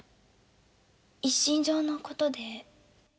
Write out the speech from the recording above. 一身上のことで。